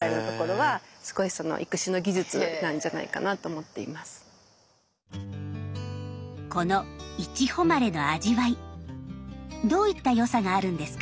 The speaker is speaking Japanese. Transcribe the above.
このいちほまれの味わいどういった良さがあるんですか？